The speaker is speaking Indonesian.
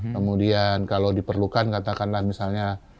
kemudian kalau diperlukan katakanlah misalnya